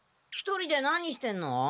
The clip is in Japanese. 一人で何してんの？